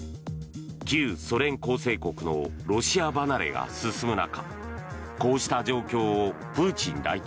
旧ソ連構成国のロシア離れが進む中